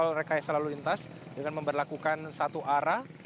untuk mengontrol rekaan lalu lintas dengan memperlakukan satu arah